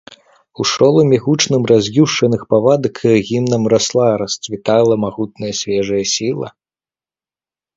У шоламе гучным раз'юшаных павадак гімнам расла, расцвітала магутная свежая сіла.